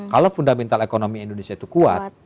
kalau fundamental ekonomi indonesia itu kuat